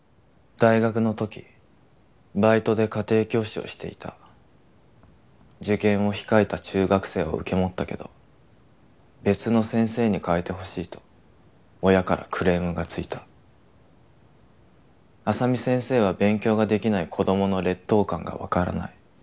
大学のときバイトで家庭教師をしていた受験を控えた中学生を受け持ったけど別の先生に代えてほしいと親からクレームがついた「浅見先生は勉強ができない子供の劣等感が分からない」